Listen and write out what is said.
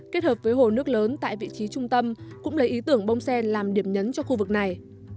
kết hợp với hồ nước lớn tại vị trí trung tâm cũng lấy ý tưởng bông sen làm điểm nhấn cho khu vực này